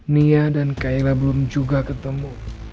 nia dan kaila belum juga ketemu